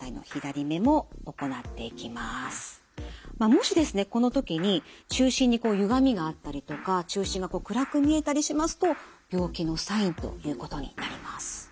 もしこの時に中心にゆがみがあったりとか中心が暗く見えたりしますと病気のサインということになります。